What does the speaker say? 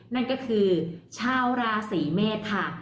นั่นก็คือชาวราศีเมษค่ะ